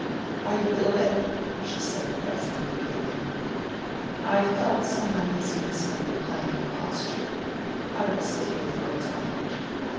"Are you ill, Edward?" she said, rising immediately. "I felt some uneasiness in a reclining posture. I will sit here for a time."